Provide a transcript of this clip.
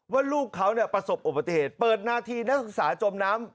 ว่าลูกเขาประสบอุบัติเหตุเปิดหน้าที่นักศึกษาจมน้ำ